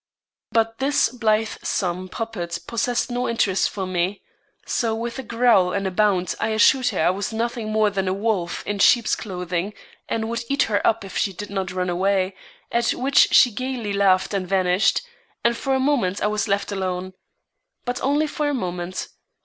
But this blithesome puppet possessed no interest for me. So with a growl and a bound I assured her I was nothing more than a wolf in sheep's clothing, and would eat her up if she did not run away; at which she gayly laughed and vanished, and for a moment I was left alone. But only for a moment.